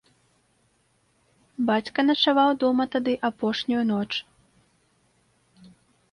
Бацька начаваў дома тады апошнюю ноч.